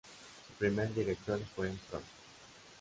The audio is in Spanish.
Su primer director fue el Prof.